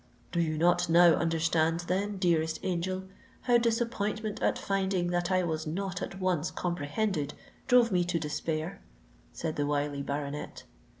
"Do you not now understand, then, dearest angel, how disappointment at finding that I was not at once comprehended, drove me to despair?" said the wily baronet.